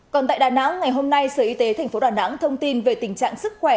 còn tại đà nẵng ngày hôm nay sở y tế tp đà nẵng thông tin về tình trạng sức khỏe